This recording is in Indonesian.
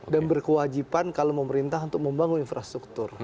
dan berkewajiban kalau pemerintah untuk membangun infrastruktur